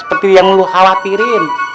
seperti yang lu khawatirin